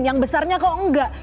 yang besarnya kok enggak